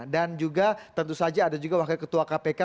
dan juga tentu saja ada juga wakil ketua kpk